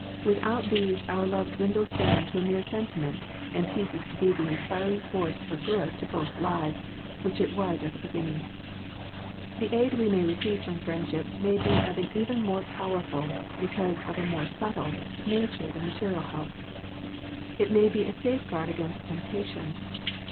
Without these our love dwindles down to a mere sentiment, and ceases to be the inspiring force for good to both lives, which it was at the beginning. The aid we may receive from friend ship may be of an even more powerful, because of a more subtle, nature than material help. It may be a safeguard against temptation.